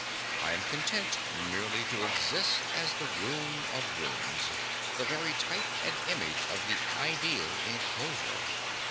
I am content merely to exist as the room of rooms, the very type and image of the Ideal Enclosure.